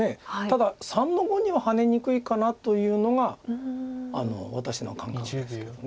ただ３の五にはハネにくいかなというのが私の感覚ですけど。